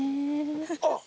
あっ！